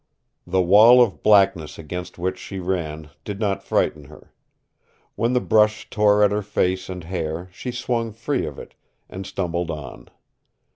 The wall of blackness against which she ran did not frighten her. When the brush tore at her face and hair she swung free of it, and stumbled on.